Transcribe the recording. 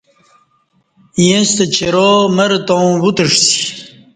یݩستہ چِیرا مر تاوں وُتعسی